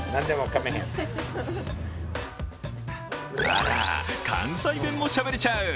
あら、関西弁もしゃべれちゃう。